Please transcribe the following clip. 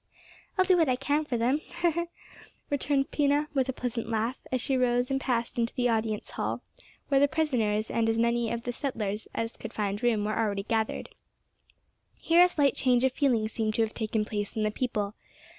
"I'll do what I can for them," returned Pina, with a pleasant laugh, as she rose and passed into the Audience Hall, where the prisoners and as many of the settlers as could find room were already gathered. Here a slight change of feeling seemed to have taken place in the people.